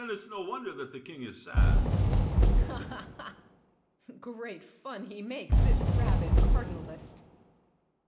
Then it's no wonder that the King is sad. BOUCHAVANNES. Great fun he makes, this rabid cardinalist!